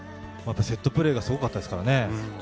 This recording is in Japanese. セットプレーがすごかったですからね。